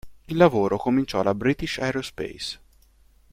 Il lavoro cominciò alla British Aerospace.